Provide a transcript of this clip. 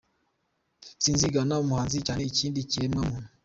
Sinzigana umuhanzi cyane ikindi kiremwa muntu.